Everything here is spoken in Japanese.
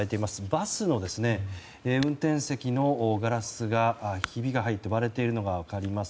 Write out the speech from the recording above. バスの運転席のガラスがひびが入って割れているのが分かります。